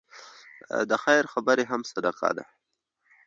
د خیر خبرې هم صدقه ده.